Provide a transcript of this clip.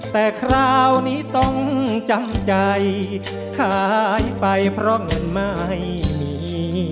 แต่คราวนี้ต้องจำใจขายไปเพราะเงินไม่มี